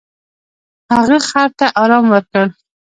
هغه خر ته ارام ورکړ.